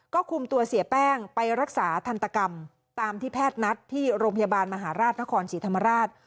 ก็คุมตัวเสียแป้งไปรักษาทันตกรรมตามที่แพทย์นัดที่โรงพยาบาลมหาราชนครศรีธรรมราช